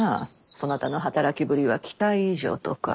そなたの働きぶりは期待以上とか。